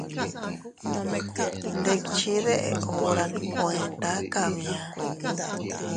Ndikchi deʼe hura nkueta kabia.